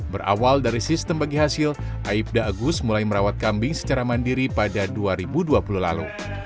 berawal dari sistem bagi hasil aibda agus mulai merawat kambing secara mandiri pada dua ribu dua puluh lalu